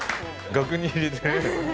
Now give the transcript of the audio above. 額に入れてね。